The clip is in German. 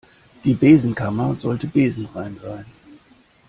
Die Besenkammer sollte besenrein sein.